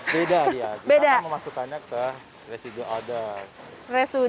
beda ya kita akan memasukkannya ke residu outdoor